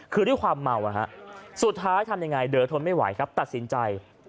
คือด้วยความเมาสุดท้ายทำยังไงเดินทนไม่ไหวครับตัดสินใจ